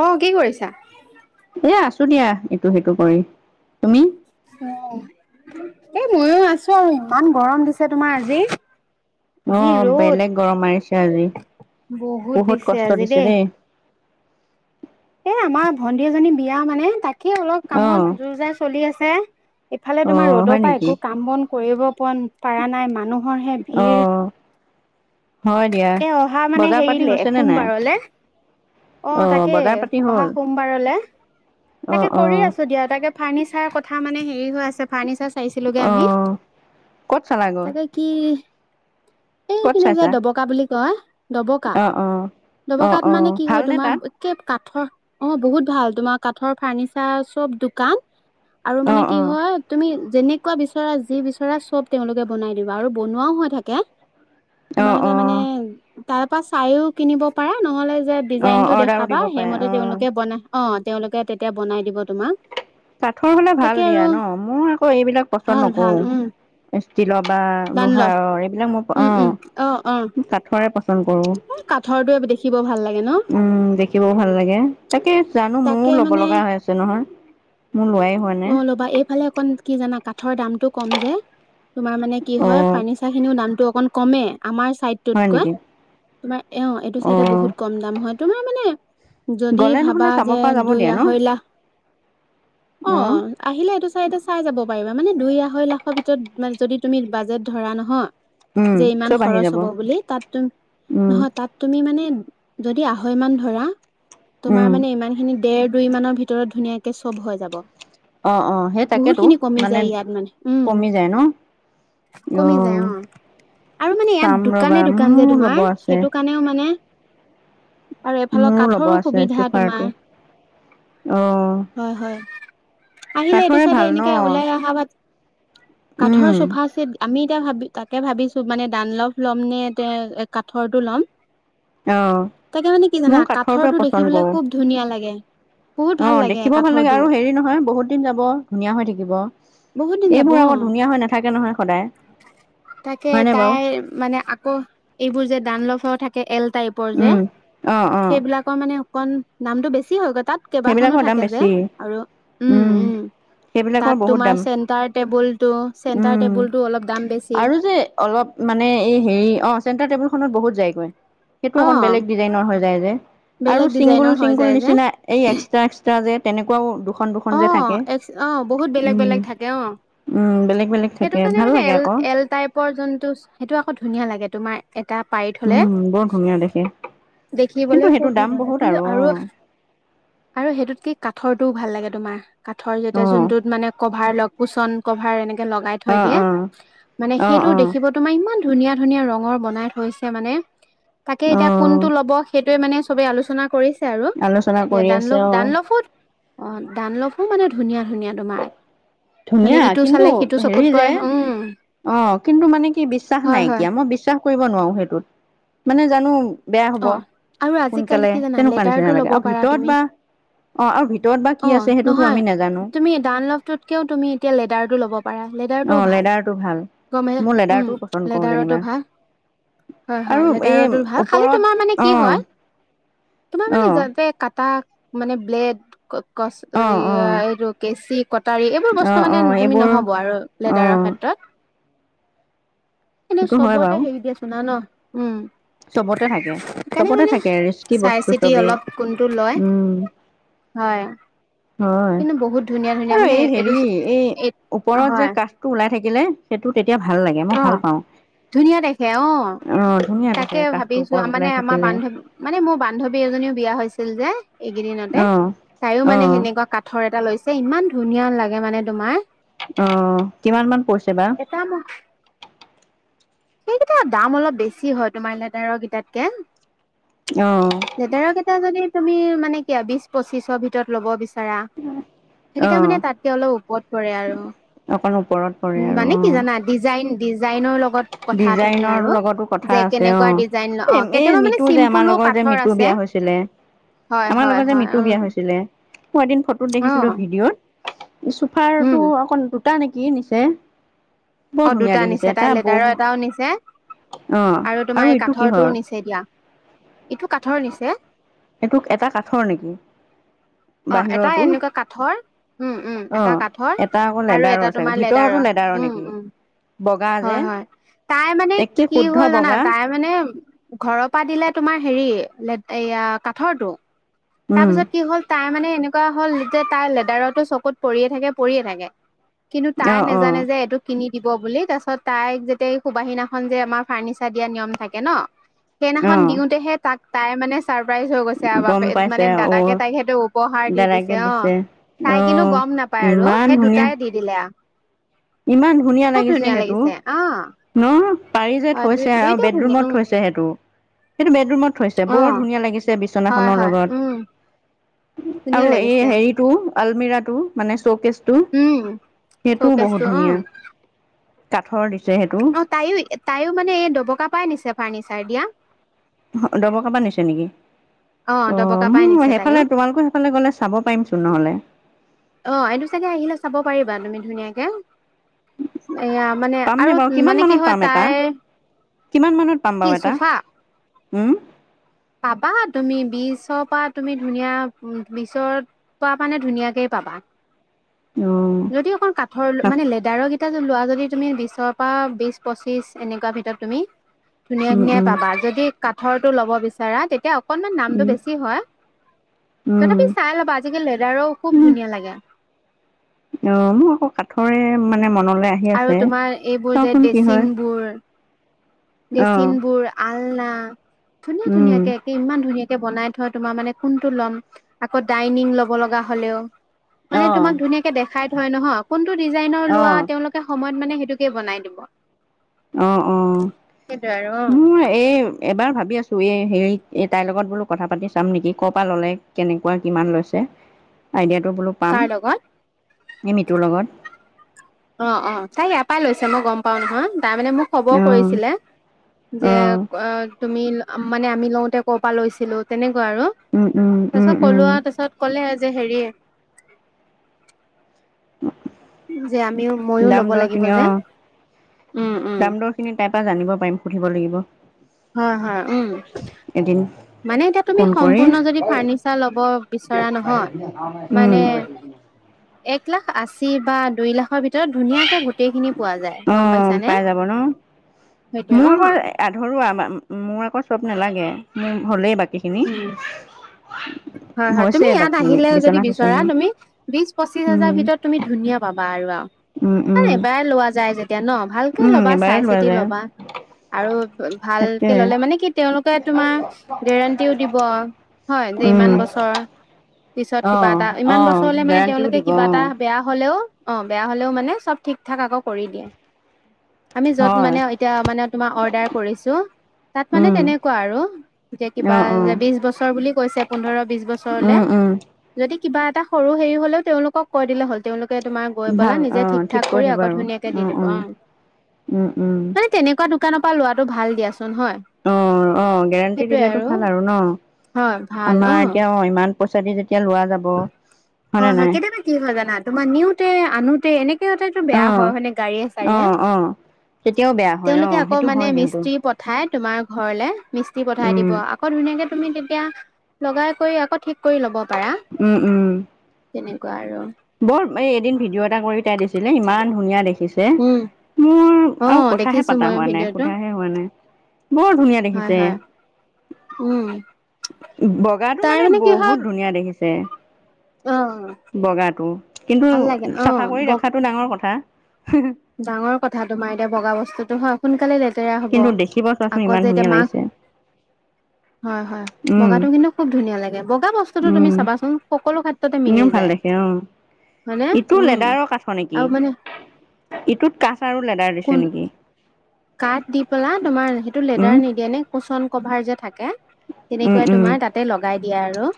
অহ কি কৰিছা। এ আছোঁ দিয়া এইটো সেইটো কৰি তুমি। এ মইও আছোঁ আৰু ইমান গৰম দিছে তোমাৰ আজি। অ যি বেলেগ গৰম মাৰিছে আজি ৰ'দ বহুত দিছে আজি দেই। এ আমাৰ ভন্টি এজনী বিয়া মানে তাকেই অলপ অ কামত জো-যা চলি আছে। ইফালে অ তোমাৰ ৰ'দৰ হয় পৰা একো নেকি কাম বন কৰিব পৰা নাই মানুহৰহে অ ভিৰ। হয় দিয়া এ অহা মানে বজাৰ পাতি হেৰিলে হৈছেনে নাই সোমবাৰলে। অ তাকেই বজাৰ পাতি অহা হ'ল সোমবাৰলে। অ তাকে অ কৰি আছোঁ দিয়া তাকে ফাৰ্নিচাৰ কথা মানে হেৰি হৈ আছে। ফাৰ্নিচাৰ চাইছিলোগে অ আমি ক'ত চালাগৈ তাকে কি। ক'ত সেইখিনি যে চাইছা দবকা বুলি কয়। দবকা অ অ অ দবকাত অ মানে কি হয় ভালনে তোমাৰ তাত একে কাঠৰ। অ বহুত ভাল তোমাৰ কাঠৰ ফাৰ্নিচাৰ চব দোকান। আৰু অ মানে কি অ হয় তুমি। যেনেকুৱা বিচৰা যি বিচৰা চব তেওঁলোকে বনাই দিব আৰু বনোৱাও হৈ থাকে। অ তোমালোকে অ মানে তাৰ পৰা চাইও কিনিব পাৰা নহ'লে। যে অ ডিজাইন টো অৰ্ডাৰো দেখাবা দিব পাৰে সেইমতে অ তেওঁলোকে বনাই অ তেওঁলোকে তেতিয়া বনাই দিব তোমাক। কাঠৰ হলে ভাল তাকে দিয়া আৰু নহ মই আকৌ এইবিলাক পচন্দ ভাল ভাল নকৰোঁ। উম ষ্টিলৰ বা ডানলপ লোহাৰৰ এইবিলাক মোৰ। উম উম অ অ। কাঠৰে পচন্দ কৰো কাঠৰটো দেখিব ভাল লাগে। ন উম দেখিবও ভাল লাগে তাকে জানো মোৰো তাকে ল'ব মানে লগা হৈ আছে নহয়। মোৰ লোৱাই হোৱা অ নাই ল'বা এইফালে অকণ কি জানা কাঠৰ দামটো কম যে। তোমাৰ মানে কি অ হয় ফাৰ্নিচাৰ খিনিও দামটো অকণ কমে আমাৰ হয় চাইডটোতকৈ। নেকি তোমাৰ অ এইটো চাইডে বহুত কম দাম হয় তোমাৰ মানে। যদি গ'লে নহ'লে ভাবা চাব যে পৰা যাব দুই দিয়া ন আঢ়ৈ লাখ। অ আহিলে এইটো চাইডে চাই যাব। পাৰিবা মানে দুই আঢ়ৈ লাখৰ ভিতৰত মানে যদি তুমি বাজেট ধৰা নহয়। উম যে ইমান চব আহি খৰচ যাব হ'ব বুলি তাত তুম উম নহয় তাত তুমি মানে। যদি আঢ়ৈ মান ধৰা তোমাৰ উম মানে ইমান খিনি। ডেৰ দুই মানৰ ভিতৰত ধুনীয়াকৈ চব হৈ যাব। অ অ সেই বহুত তাকেতো খিনি কমি মানে যায় ইয়াত মানে উম। কমি যায় ন কমি যায় অ। আৰু মানে ইয়াত চাম ৰবা দোকানে দোকান যে মোৰো ল'ব তোমাৰ আছে সেইটো কাৰণেও মানে। আৰু এফালৰ মোৰো ল'ব কাঠৰো আছে সুবিধা চোফাৰটো তোমাৰ অ হয় হয়। আহিলে এইটো কাঠৰে চাইডে ভাল ন এনেকে ওলাই অহা বাত কাঠৰ উম চোফাছেত আমি। [unintelligible] ভাবি তাকে ভাবিছো মানে ডানলভ ল'ম নে তে কাঠৰটো ল'ম। অ তাকে মানে কি জানা ময়ো কাঠৰটোৱে কাঠৰটো দেখি পচন্দ পেলাই কৰো খুব ধুনীয়া লাগে। বহুত অ ভাল লাগে দেখিবও ভাল লাগে কাঠৰটো আৰু হেৰি নহয় বহুত দিন যাব ধুনীয়া হৈ থাকিব। বহুত দিন যাব এইবোৰ অ আকৌ ধুনীয়া হৈ নাথাকে নহয় সদায়। তাকে হয়নে বাৰু তাই মানে আকৌ এইবোৰ যে দানলভ থাকে। এল টাইপৰ যে উম অ অ সেইবিলাকৰ মানে অকণ দামটো বেছি হয়। তাত কেইবাখনো সেইবিলাকৰ দাম থাকে যে বেছি আৰু। উম। সেইবিলাকৰ তাত বহুত তোমাৰ দাম চেণ্টাৰ টেবুলটো চেণ্টাৰ উম টেবুলটো অলপ দাম বেছি আৰু যে অলপ। মানে এই হেৰি অ চেন্টাৰ টেবুল খন। বহুত যাইগৈ সেইটো অ বেলেগ ডিজাইনৰ হৈ যায় যে আৰু বেলেগ চিংগুল ডিজাইনৰ হৈ চিংগুল যায় যে। নিচিনা। এক্সট্ৰা এক্সট্ৰা যে তেনেকুৱা দুশ অ 'এক অ বহুত বেলেগ বেলেগ থাকে অ উম বেলেগ বেলেগ সেইটো থাকে কাৰণে ভাল মানে লাগে এল আকৌ এল টাইপৰ যোনটো সেইটো আকৌ ধুনীয়া লাগে তোমাৰ এটা পাৰি থলে উম বৰ ধুনীয়া দেখে কিন্তু দেখিবলৈ সেইটো খুব দাম ধুনীয়া লাগে বহুত কিন্তু আৰু। অ আৰু সেইটোত কি ক। কাঠৰটোও ভাল লাগে তোমাৰ কাঠৰ যেতিয়া অ', যোনটোত মানে কভাৰ লক কুচন কভাৰ এনে লগাই থৈ অ', দিয়ে অ', মানে অ', সেইটো অ', দেখিব তোমাৰ ইমান। ধুনীয়া ধুনীয়া ৰঙৰ বনাই থৈছে মানে তাকে এতিয়া অ', কোনটো ল'ব সেই মানে চবে আলোচনা কৰিছে আৰু আলোচনা যে কৰি আছে ডানল অ', দানলফোত অ দান লফো মানে ধুনীয়া ধুনীয়া তোমাৰ। মানে ধুনীয়া ইটো কিন্তু চালে সিটো চকুত হেৰি যে পৰে উম অ' কিন্তু মানে কি বিশ্বাস হয় হয় নাইকিয়া মই বিশ্বাস কৰিব নোৱাৰো সেইটোত মানে জানো বেয়া অ হ'ব আৰু আজিকালি সোনকালে কি জানা তেনেকুৱা লেডাৰটো নিচিনা ল'ব লাগে আৰু পাৰা তুমি ভিতৰত বা অ' আৰু ভিতৰত বা অ কি আছে সেইটোতো নহয় আমি নাজানো তুমি ডানলভটোতকেও তুমি এতিয়া লেদৰ্টো লব পাৰা লেডাৰতটোও অ', ভাল লেডাৰটো ভাল গম মোৰ উম লেডাৰটোও পচন্দ কৰোঁ লেডাৰতো যেনিবা ভাল হয় হয় আৰু লেডাৰৰ এই দৰ ভাল খালি ওপৰত তোমাৰ মানে কি অ', হয় তোমাৰ মানে অ', যাতে কটা মানে ব্লেড কচ অ', অ', এইটো কটাৰী এইবোৰ বস্তু অ', মানে অ', তুমি এইবোৰ নহ'ব আৰু লেডাৰৰ অ', ক্ষেত্ৰত। এ সেইটো হয় চবতে বাৰু হেৰি দিয়াছো ন ন চবতে থাকে উম সেইকাৰণে চবতে মানে থাকে ৰিস্কি চাই বস্তু চিতি চবেই অলপ কোনটো লয় উম হয়। হয় কিন্তু বহুত ধুনীয়া ধুনীয়া আৰু মানে এই এইটো হেৰি এই ওপৰত যে হয় কাঠটো ওলাই থাকিলে সেইটো তেতিয়া ভাল লাগে অ মই ভাল পাওঁ ধুনীয়া দেখে অ ধুনীয়া তাক দেখে তে কাঠটো ভাবিছো ওপৰত মানে ওলাই আমাৰ থাকিলে বান্ধৱী মানে মোৰ বান্ধৱী এজনীও বিয়া হৈছিল যে এইকেইদিনতে অ তাইও অ মানে সেনেকুৱা কাঠৰ এটা লৈছে ইমান ধুনীয়া লাগে মানে তোমাৰ। আহ কিমান মান পৰিছে বা সেইকেইটাাৰ দাম অলপ বেছি হয় তোমাৰ লটাৰৰ কেইটা অহ এয়া যদি তুমি মানে ক বিশ পঁচিশৰ ভিতৰত ল'ব বিচাৰা। অ সেইকেইটা মানে তাতকে অলপ ওপৰত পৰে আৰু উ অকণ ওপৰত পৰে আৰু মানে অ কি জানা ডিজাইন ডিজাইনৰ লগত লগত কথা তুমি ডিজাইনৰ আৰু লগতো কথা যে আছে অ কেনেকুৱা ডিজাইন অ এই এই কেতিয়াবা মানে মিতু যে আমাৰ চিম্পুলো লগৰ যে কাঠৰ মিতু আছে বিয়া হৈছিলে হয় আমাৰ হয় লগত যে হয় মৃত্যু বিয়া উম হৈছিলে মই এদিন ফটোত অ দেখিছিলো ভিডিঅ'ত চোফাৰ টো উম অকণ দুটা নেকি নিচে অ বৰ ধুনীয়া দুটা নিছে দেখিছে তাই এটা লেডাৰৰ ব নিছে আৰু তোমাৰ এই ইটো কিহৰ কাঠৰটোও নিছে এ দিয়া ইটো কাঠৰ নিছে এইটো এটা কাঠৰ নেকি অ' এটাই বাহিৰৰটো এনেকুৱা কাঠৰ উম উম অ এটা কাঠৰ এটা আকৌ আৰু লেডাৰৰ এটা চাগে তোমাৰ লেডাৰৰ ভিতৰতো উম নেকি উম। বগা যে হয় হয় তাই মানে একে কি শুদ্ধ হ'ল জানা বগা তাই মানে ঘৰৰ পৰা দিলে তোমাৰ হেৰি এয়া কাঠৰটো উম তাৰপিছত কি হ'ল তাই মানে এনেকুৱা হল যে, তাৰ লেডাৰো চকুত পৰিয়ে থাকে, পৰিয়ে থাকে। কিন্তু তাই অ অ নোজানে যে, এইটো কিনি দিব বুলি। তাৰ পাছত তাইক যেতিতে সুবাহিনাখনন যে, আমাৰ ফাৰ্নিিচাৰ দিয়া নিয়ম থাকে ন অ সেইনাখন দিওঁতেহে তাক তাই মানে চাৰপ্ৰাইজ হৈ গৈছে আৰু গম বাপে, পাইছে মানে অ দাদাকে তাইক সেইটো উপহাৰ দি দিছে। অ' অ তাই কিন্তু গম ম নাপায় আৰু ইমান সেই ধুনীয়া দুটাই দি দিলে আ। ইমান ধুনীয়া লাগিছে সেটো। ন' পাৰি যে, হয় দুই থৈছে আৰু দুইটাই ধুনীয়া বেডৰুমত উম থৈছে সেটো। সেইটো বেডৰুমত থৈছে, অ বৰ ধুনীয়া লাগিছে বিচ হয়, হয়, উম। ধুনীয়া আৰু এই লাগিছে হেৰিটো আলমিৰাটো, মানে চৌকেচ উম, চৌকেচটো ধুনীয়া অ'। কাঠৰ দি অ', তাইয়ো-তাইয়ো মানে এই ডবকা পাই নিছে ফাৰ্ণিচাৰ দিয়া। ডবকা পা, নিছে নেকি? অ', দবকা মো পাই নিছে তাইও সেইফালে, তোমালোকৰ সেইফালে গ'লে চাব পাৰিমচোন নহ'লে। অ', এইটো চাগে আহিলে চাব পাৰি তুমি ধুনীয়াকে। এয়া মানে পামনে বাৰু আৰু কিমান মানে মানত কি হয়, পাম এটা তাইৰ কিমান মানত পাম কি বাৰু এটা? চোফা উম। পাবা তুমি বিচৰ পা, তুমি ধুনীয়া উম, বিচৰ‌পা মানে ধুনীয়াকে পাবা। অ যদি অকল কাঠৰ মানে লেডাৰৰ লোৱা যদি তুমি বিচৰ পৰা বিচ, পঁচিশ এনেকুৱা ভিতৰত তুমি ধুনীয়া, উম ধুনীয়া উম পাবা। যদি কাঠৰটো ল'ব বিচাৰা তেতিয়া অক অকনমান দামটো উম বেছি হয়। উম তথাপি চাই ল'বা, আজিকালি লেডাৰৰো খুব উম ধুনীয়া লাগে। অ', মোৰ আকৌ কাঠৰে মানে মনত নলে আহি আৰু আছে, তোমাৰ এইবোৰ যে চাওঁচোন কি ডেচিন হয়। বোৰ অ ডেচিন বোৰ, আলনা, উম ধুনীয়া-ধুনীয়াকে একে ইমান ধুনীয়াকৈ বনাই থয়, তোমাৰ মানে কোনটো ল'ম, আকৌ ডাইনিং ল'ব লগা হ'লেও অ মানে তোমাক ধুনীয়াকে দেখাই থয় নহয়, কোনটো ডিজাইনৰ অ লোৱা তেওঁলোকে সময় মানে সেইটোকেই বনাই দিব। অ', অ', সেইটোৱে আৰু অ মোৰ এই, এবাৰ ভাব ভাৱি আছো, এই হেৰি, এই তাইৰ লগত বোলো কথা পাতি চাম নেকি, ক'ৰ পৰা ল'লে, কেনেকুৱা কিমান লৈছে আইডিয়াটো বোলো পাম, কাৰ লগত এই মিতুৰ লগত। অ', অ', তাই ইয়াৰ পৰাই লৈছে, মই গম পাওঁ নহয়। তাই মানে মোক খবৰ অঁ কৰিছিলে, যে অঁ অ' তুমি-মানে আমি লওঁতে ক'ৰ পৰা লৈছিলো, তেনেক কুৱা আৰু, উম উম উম তাৰপিছত ক'লো উম আৰু, তাৰপিছত ক'লে যে হেৰিয়ে যে আমিও-মইয়ো ল'ব লাগিব যে। উম উম দাম-দৰ খিনি তাইৰ পৰা জানিব পাৰিম, সুধিব লাগিব। হয় হয়, উম। এদিন মানে এতিয়া তুমি ফোন কৰি সম্পূৰ্ণ যদি ফাৰ্ণিচাৰ ল'ব বিচৰা নহয়, উম মানে এক লাখ আশী বা দুই লাখৰ ভিতৰত ধুনীয়াকে গোটেইখিনি পোৱা যায় গম অ', পাইছানে পাই যাব ন? সেইটোৱে মোৰ উম আকৌ আধৰুৱা, মোৰ আকৌ চব নালাগে। উ', হলেই বাকীখিনি। উম হয়, হয়, হৈছে তুমি ইয়াত বাকী আহিলে যদি বিচনা বিচৰা, চিচনা তুমি বিশ- পঁচিশ হাজাৰ উম ভিতৰত তুমি ধুনীয়া পাবা আৰু-আৰু উম উম [unintelligible] এবাৰে লোৱা যায় যেতিয়া ন', ভালকে উম ল'বা, এবাৰে চাই- লোৱা চিতি যায় লবা। আৰু ভালকে তাকে ললে মানে কি, তেওঁলোকে তোমাৰ গেৰেণ্টিও দিব। হয় যে ইমান উম বছৰ পিছত অ কিবা এটা, অ ইমান বছৰলে মানে গেৰাণ্টিও তেওঁলোকে দিব অ কিবা এটা বেয়া হ'ল [unintelligible] অ', বেয়া হ'লেও মানে চব ঠিক ঠাক আকৌ কৰি দিয়ে। আমি য'ত হয় মানে এতিয়া মানে তোমাৰ অৰ্ডাৰ কৰিছোঁ। তাত মানে উম তেনেকুৱা আৰু, যেতিয়া অ কিবা অ যে বিশ বছৰ বুলি কৈছে পোন্ধৰ বিশ বছৰলে, উম উম যদি কিবা এটা সৰু হেৰি হলেও তেওঁলোকক কৈ দিলে হল, তেওঁলোক তোমাৰ গৈ পালা নিজে ঠিক ঠাক কৰি আকৌ ধুনীয়াকে দি দিব অ, উম উম মানে তেনেকুৱা দোকানৰ পৰা লোৱাটো ভাল দিয়াছোন। অ অ গেৰেণ্টি দিলেতো ভাল আৰু ন হয় ভাল আমাৰ এতিয়া অ ইমান, পইচা দি যেতিয়া লোৱা যাব। নে হয় হয় নাই কেতিয়াবা কি হয় জানা তোমাৰ নিওতে আনোতে এনেক সিহঁতে তো অ বেয়া হয় মানে গাড়ীয়ে অ চাৰিয়ে অ তেতিয়াও বেয়া হয় অ তেওঁলোকে আকৌ সেইটো মানে হয় কিন্তু মিস্ত্ৰী পঠাই তোমাৰ- ঘৰলে মিস্ত্ৰী পঠাই উম দিব আকৌ ধুনীয়াকে তুমি তেতিয়া লগাই কৰি আকৌ ঠিক কৰি ল'ব পাৰা উম উম তেনেকুৱা আৰু বৰ এই এদিন ভিডিঅ' এটা কৰি তাই দিছিলে ইমান ধুনীয়া দেখিছে উম মোৰ অ আৰু কথাহে দেখিছো পাতা ময়ো হোৱা নাই ভিডিঅ'টো সোধাহে হোৱা নাই বৰ ধুনীয়া হয় দেখিছে। হয় উম। বগাটো তাই মানে কি হয় বহুত ধুনীয়া দেখিছে, অ বগা কিন্তু ভাল লাগে অ চাফা কৰি ব ৰখাটো ডাঙৰ কথা। ডাঙৰ কথা তোমাৰ এতিয়া বগা বস্তুতো হয় সোনকালে দে বেয়া হ'ব কিন্তু দেখিব চোৱাচোন আকৌ ইমান যে এতিয়া ধুনীয়া মাক লাগিছে হয় হয় উম বগাটো কিন্তু খুব ধুনীয়া লাগে বগা বস্তুটো তুমি উম চাবাচোন সকলো খ এনেও ভাল দেখে অ, ইটো উম লেডাৰৰ কাঠৰ নেকি আৰু মানে ইটোত তাৰো লেডাৰ দিছে কোন নেকি? কাঠ দি পেলা তুমাৰ সেইটো উম লেডাৰ নিদিয়ে নে কুচন কভাৰ যে থাকে উম তেনেকুৱাই তোমাৰ তাতে লগাই দিয়া আৰু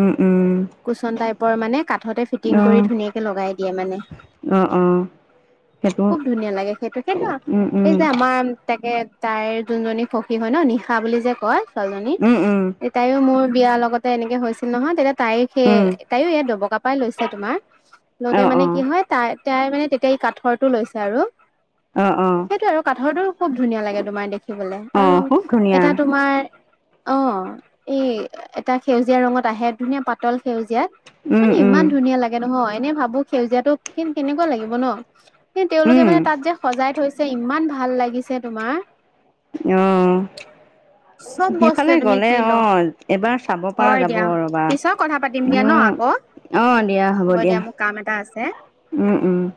উম উম উম কুচন টাইপৰ মানে কাঠতে ফিটিং অ কৰি ধুনীয়াকে লগাই দিয়ে মানে অ অ সেইটো খুব ধুনীয়া লাগে সেইটো সেইটো উম উম এই যে আমাৰ তাকে তাইৰ যোনজনী সখী হয় ন নিশা বুলি যে কয় ছোৱালীজনী উম উম তাইও মোৰ বিয়াৰ লগতে এনেকে হৈছিল নহয় তেতিয়া তাই সেই উম তাইও ইয়াত দবকা পাই লৈছে তোমাৰ অ', লগতে মানে কি অ', হয় তাই তাই মানে তেতিয়া এই কাঠৰটো লৈছে আৰু অ অ', সেইটোৱে আৰু কাঠৰটোৰো খুব ধুনীয়া লাগে তোমাৰ দেখিবলে অ', আৰু খুব ধুনীয়া এটা তোমাৰ অ এই এটা সেউজীয়া ৰঙত আহে ধুনীয়া পাতল সেউজীয়াত উম, মানে উম, ইমান ধুনীয়া লাগে নহয় এনে ভাবো সেউজীয়াতো কিন কেনেকুৱা লাগিব ন সে তেওঁলোকে উম, মানে তাত যে সজাই থৈছে ইমান ভাল লাগিছে তোমাৰ আহ চব সেইফালে বস্তুৱে তুমি গলে কি ল অ এবাৰ চাব পৰা যাব ৰবা আক অ দিয়া হ'ব দিয়া উম উম